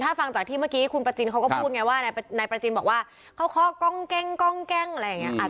ถ้าฟังจากที่เมื่อกี้คุณประจินเขาก็พูดไงว่านายประจินบอกว่าเขาเคาะกล้องแกล้งอะไรอย่างนี้